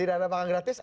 tidak ada makanan gratis